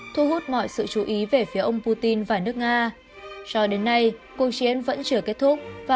thu hút mọi sự chú ý về phía ông putin và nước nga cho đến nay cuộc chiến vẫn chưa kết thúc và